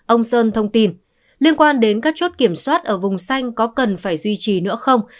ông sơn thông tin liên quan đến các chốt kiểm soát ở vùng xanh có cần phải duy trì nữa không